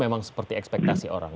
memang seperti ekspektasi orang